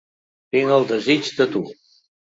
Tinc el desig de tu.